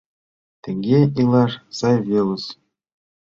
Тыге илаш сай велыс.